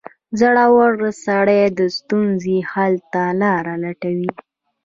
• زړور سړی د ستونزو حل ته لاره لټوي.